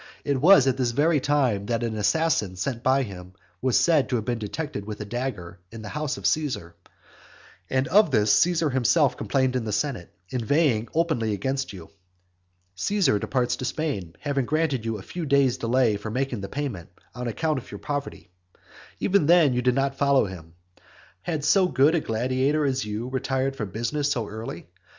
It was at this very time that an assassin sent by him was said to have been detected with a dagger in the house of Caesar. And of this Caesar himself complained in the senate, inveighing openly against you. Caesar departs to Spain, having granted you a few days delay for making the payment, on account of your poverty. Even then you do not follow him. Had so good a gladiator as you retired from business so early?